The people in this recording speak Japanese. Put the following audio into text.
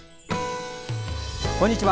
こんにちは。